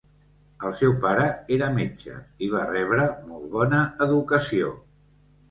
El seu pare era metge, i va rebre molt bona educació.